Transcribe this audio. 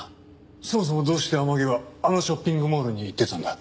そもそもどうして天樹はあのショッピングモールに行ってたんだ？